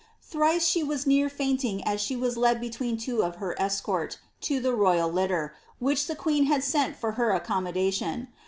Thrice she was near fainting as she was led between two of her escort, to the royal litter, which the queen had sent for her accommodation.